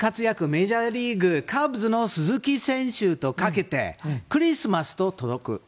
メジャーリーグカブスの鈴木選手とかけてクリスマスと解く。